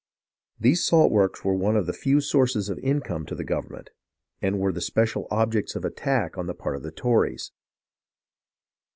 These salt works were one of the few sources of income to the government, and were the special objects of attack on the part of the Tories.